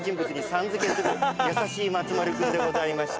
優しい松丸君でございました。